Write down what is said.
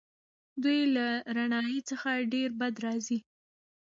دوی له رڼایي څخه ډېر بد راځي.